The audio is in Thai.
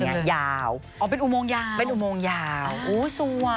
อย่างเงี้ยยาวอ๋อเป็นอุโมงยาวเป็นอุโมงยาวอู๋สวยอ่ะ